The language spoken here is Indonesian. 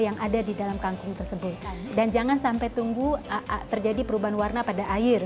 yang ada di dalam kangkung tersebut dan jangan sampai tunggu terjadi perubahan warna pada air